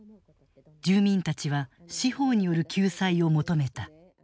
住民たちは司法による救済を求めた。